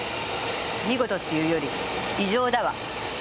見事っていうより異常だわ。